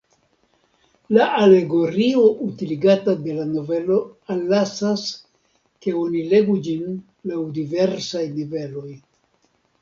La alegorio utiligata de la novelo allasas, ke oni legu ĝin laŭ diversaj niveloj.